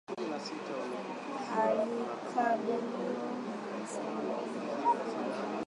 alikabiliwa na maswali kwa saa kadhaa kutoka kwa wanachama wa kamati ya sheria